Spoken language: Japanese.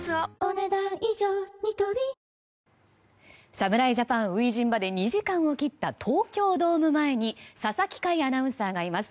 侍ジャパン初陣まで２時間を切った東京ドーム前に佐々木快アナウンサーがいます。